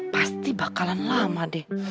pasti bakalan lama deh